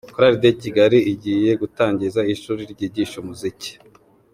Chorale de Kigali igiye gutangiza ishuri ryigisha umuziki.